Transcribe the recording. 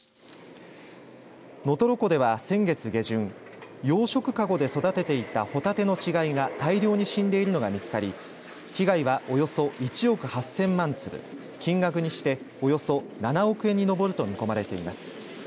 能取湖では先月下旬養殖かごで育てていたほたての稚貝が大量に死んでいるのが見つかり被害はおよそ１億８０００万粒金額にして、およそ７億円に上ると見込まれています。